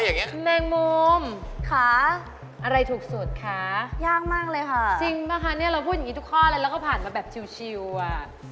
คุณแมงมุมค่ะอะไรถูกสุดคะยากมากเลยค่ะจริงป่ะคะเนี่ยเราพูดอย่างนี้ทุกข้อเลยแล้วก็ผ่านมาแบบชิวอ่ะ